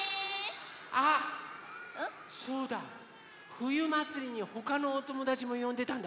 ふゆまつりにほかのおともだちもよんでたんだ。